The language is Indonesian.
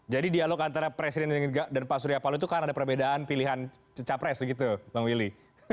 jadi dialog antara presiden nenggiga dan pak surya palu itu kan ada perbedaan pilihan capres gitu bang willy